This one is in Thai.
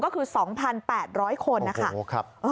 ก็คือ๒๘๐๐คนนะคะ